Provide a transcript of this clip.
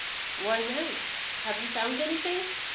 "Why, no! Have you found anything?"